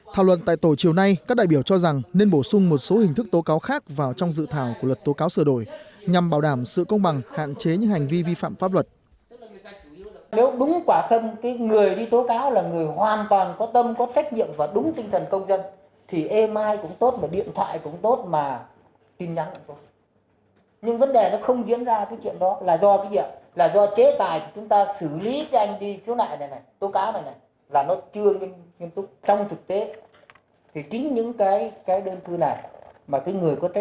trước tổ chiều nay các đại biểu cho rằng nên bổ sung một số hình thức tố cáo khác vào trong dự thảo của luật tố cáo sửa đổi nhằm bảo đảm sự công bằng hạn chế những hành vi vi phạm pháp luật